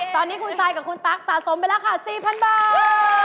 ตอนนี้คุณซายกับคุณตั๊กสะสมไปแล้วค่ะ๔๐๐๐บาท